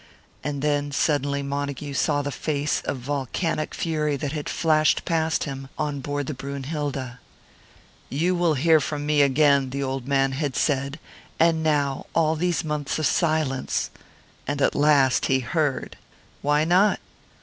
And then suddenly Montague saw the face of volcanic fury that had flashed past him on board the Brünnhilde. "You will hear from me again," the old man had said; and now, all these months of silence and at last he heard! Why not?